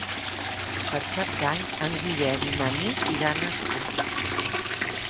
Per Cap d'Any en Guillem i na Nit iran a Ascó.